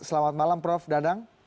selamat malam prof dadang